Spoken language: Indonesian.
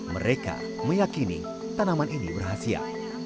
mereka meyakini tanaman ini berhasil